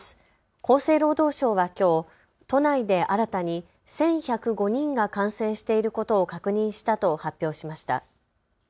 厚生労働省はきょう都内で新たに１１０５人が感染していることを確認したと発表しました。